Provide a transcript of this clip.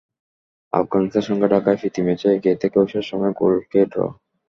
আফগানিস্তানের সঙ্গে ঢাকায় প্রীতি ম্যাচে এগিয়ে থেকেও শেষ সময়ে গোল খেয়ে ড্র।